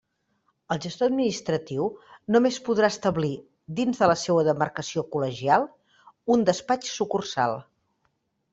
El gestor administratiu només podrà establir, dins de la seua demarcació col·legial, un despatx-sucursal.